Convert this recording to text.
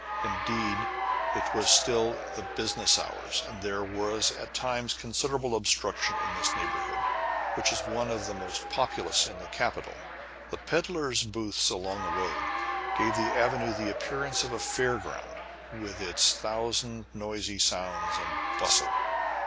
Indeed it was still the business hours, and there was at all times considerable obstruction in this neighborhood, which is one of the most popu lous in the capital. The peddlers' booths along the road gave the avenue the appearance of a fair ground with its thousand noisy sounds and bus tle.